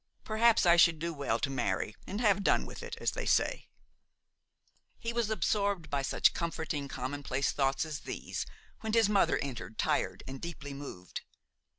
Perhaps I should do well to marry and have done with it, as they say–" He was absorbed by such comforting, commonplace thoughts as these, when his mother entered, tired and deeply moved.